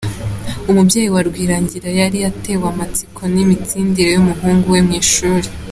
Umubyeyi wa Rwirangira yari atewe amatsiko n’imitsindire y’umuhungu we mu ishuri